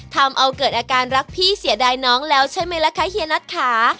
ทำเอาเกิดอาการรักพี่เสียดายน้องแล้วใช่ไหมล่ะคะเฮียนัทค่ะ